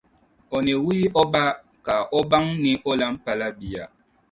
o ni wuhi o ba ka o baŋ ni o lam pala bia.